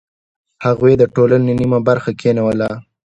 هغوی د ټولنې نیمه برخه کینوله.